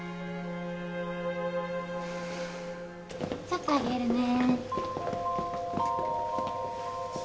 ちょっと上げるね。